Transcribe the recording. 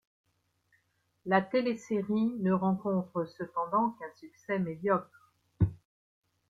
La télé-série ne rencontre cependant qu'un succès médiocre.